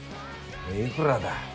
いくらだ？